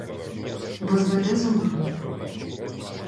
Бо зведе з ума.